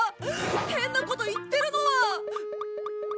変なこと言ってるのは！